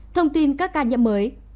thông tin các ca nhậm mới